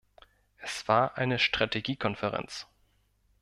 Es war eine Strategiekonferenz.